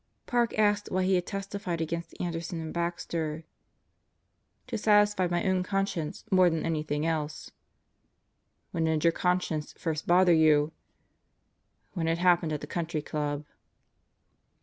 Park asked why he had testified against Anderson and Baxter. "To satisfy my own conscience more than anything else." "When did your conscience first bother you?" "When it happened at the Country Club."